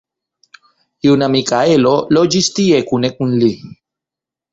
Juna Mikaelo loĝis tie kune kun li.